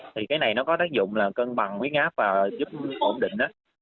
thì cái này nó có tác dụng là cân bằng huyết áp và giúp ổn định